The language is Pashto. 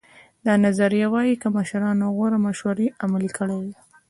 دا نظریه وایي که مشرانو غوره مشورې عملي کړې وای.